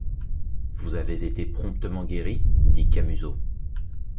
Vous avez été promptement guéri? dit Camusot.